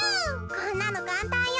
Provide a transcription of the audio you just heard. こんなのかんたんよ。